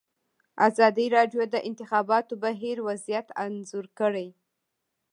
ازادي راډیو د د انتخاباتو بهیر وضعیت انځور کړی.